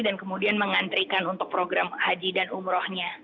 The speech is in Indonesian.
dan kemudian mengantrikan untuk program haji dan umrohnya